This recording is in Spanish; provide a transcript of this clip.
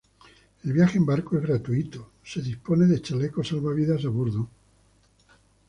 El viaje en barco es gratuito, Se dispone de chalecos salvavidas a bordo.